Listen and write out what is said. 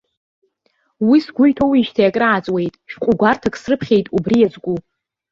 Уи сгәы иҭоуижьҭеи акрааҵуеит, шәҟәы гәарҭак срыԥхьеит убри иазку.